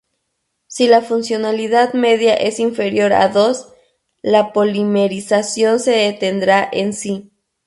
Si la funcionalidad media es inferior a dos, la polimerización se detendrá en sí.